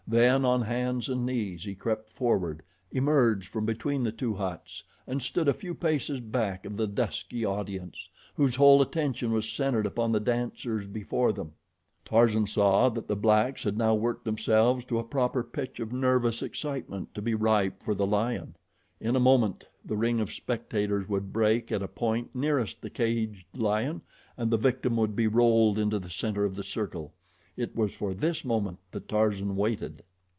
Then, on hands and knees, he crept forward, emerged from between the two huts and stood a few paces back of the dusky audience, whose whole attention was centered upon the dancers before them. Tarzan saw that the blacks had now worked themselves to a proper pitch of nervous excitement to be ripe for the lion. In a moment the ring of spectators would break at a point nearest the caged lion and the victim would be rolled into the center of the circle. It was for this moment that Tarzan waited.